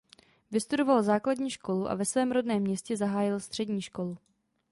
Vystudoval základní školu a ve svém rodném městě zahájil střední školu.